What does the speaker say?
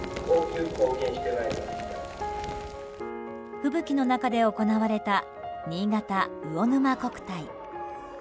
吹雪の中で行われたにいがた魚沼国体。